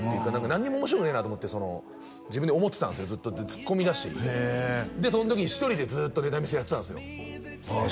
何にも面白くねえなと思って自分で思ってたんすよずっとツッコミだしその時に１人でずっとネタ見せやってたんすよああ